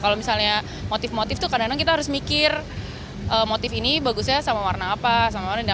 kalau misalnya motif motif tuh kadang kadang kita harus mikir motif ini bagusnya sama warna apa sama warna